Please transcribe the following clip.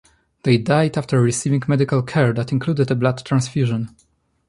They died after receiving medical care that included a blood transfusion.